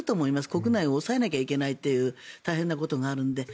国内を抑えなきゃいけないという大変なことがあるので。